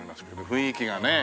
雰囲気がね